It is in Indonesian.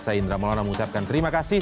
saya indra maulana mengucapkan terima kasih